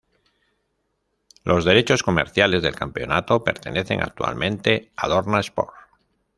Los derechos comerciales del campeonato pertenecen actualmente a Dorna Sports.